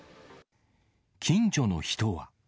近所の人は。